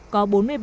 có bốn mươi phương